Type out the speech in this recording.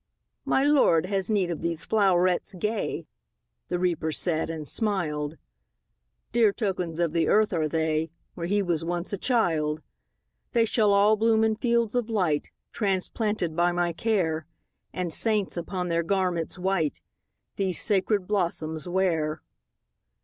``My Lord has need of these flowerets gay,'' The Reaper said, and smiled; ``Dear tokens of the earth are they, Where he was once a child. ``They shall all bloom in fields of light, Transplanted by my care, And saints, upon their garments white, These sacred blossoms wear.''